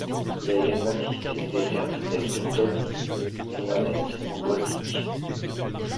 Il a également existé des dessertes vers Durtol - Nohanent ou Volvic.